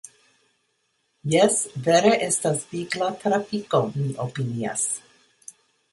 Jes, vere estas vigla trafiko, mi opinias.